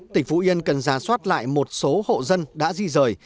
tỉnh phú yên cần ra soát lại một số hộ dân đã di rời